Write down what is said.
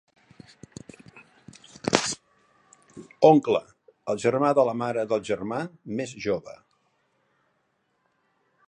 Oncle: El germà de la mare del germà més jove.